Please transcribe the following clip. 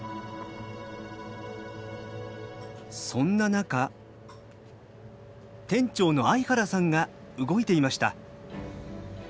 そんな中店長の相原さんが動いていました。